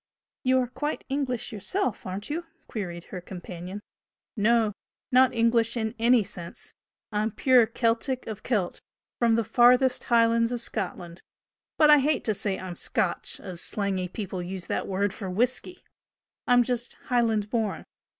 "You are quite English yourself, aren't you?" queried her companion. "No not English in any sense. I'm pure Celtic of Celt, from the farthest Highlands of Scotland. But I hate to say I'm 'Scotch,' as slangy people use that word for whisky! I'm just Highland born.